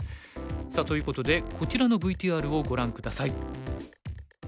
さあということでこちらのＶＴＲをご覧下さい。